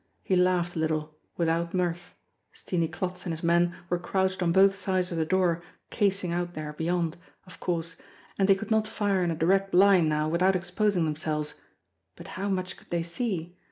He laughed a little without mirth. Steenie Klotz and his men were crouched on both sides of the door casing out there beyond, of course, and they could not fire in a direct line now without exposing themselves. But how much could they see?